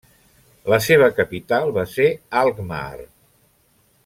La seva capital va ser Alkmaar.